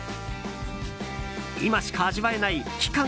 今しか味わえない期間